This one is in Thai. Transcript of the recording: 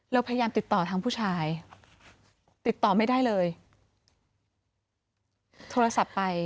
เราพยายามติดต่อทางผู้ชายติดต่อไม่ได้เลยโทรศัพท์ไป